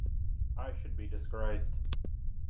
I should be disgraced.